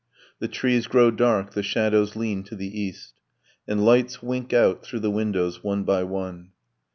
The trees grow dark: the shadows lean to the east: And lights wink out through the windows, one by one.